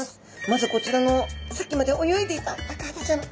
まずこちらのさっきまで泳いでいたアカハタちゃん。